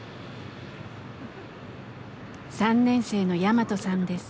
３年生のヤマトさんです。